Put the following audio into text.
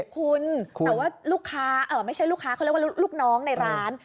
คุณแต่ว่าลูกค้าไม่ใช่ลูกค้าเขาเรียกว่าลูกน้องในร้าน